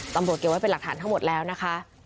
ตำรวจเก็บไว้เป็นหลักฐานทั้งหมดแล้วนะคะ